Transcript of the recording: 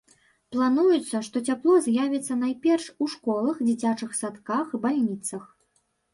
Плануецца, што цяпло з'явіцца найперш у школах, дзіцячых садках, бальніцах.